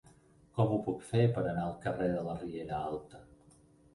Com ho puc fer per anar al carrer de la Riera Alta?